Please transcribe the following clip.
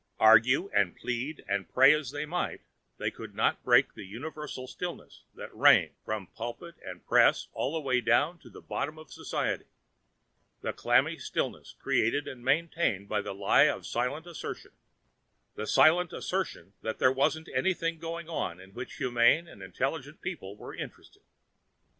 Argue and plead and pray as they might, they could not break the universal stillness that reigned, from pulpit and press all the way down to the bottom of society—the clammy stillness created and maintained by the lie of silent assertion—the silent assertion that there wasn't anything going on in which humane and intelligent people were interested.